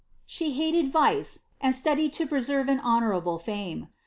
She hated vice, and studied to preserve an honourable fame.